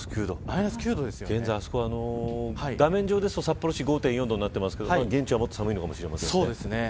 現在画面上ですと札幌市は５．４度となってますが現地はもっと寒いのかもしれませんね。